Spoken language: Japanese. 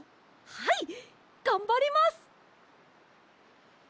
はいがんばります！